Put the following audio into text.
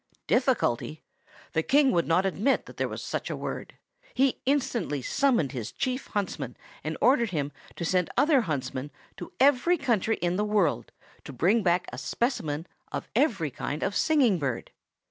Difficulty? The King would not admit that there was such a word. He instantly summoned his Chief Huntsman, and ordered him to send other huntsmen to every country in the world, to bring back a specimen of every kind of singing bird.